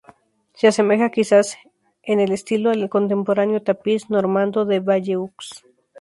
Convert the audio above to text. Se asemeja quizá en el estilo al contemporáneo tapiz normando de Bayeux.